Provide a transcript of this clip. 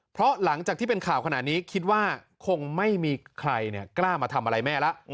เพราะหลังจากที่เป็นข่าวขนาดนี้คิดว่าคงไม่มีใครกล้ามาทำอะไรแม่แล้ว